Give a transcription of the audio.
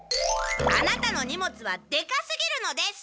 アナタの荷物はでかすぎるのです！